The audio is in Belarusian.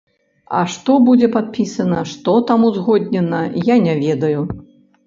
А што будзе падпісана, што там узгоднена, я не ведаю.